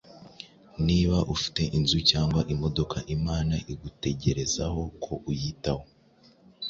Niba ufite inzu cyangwa imodoka, Imana igutegerezaho ko uyitaho.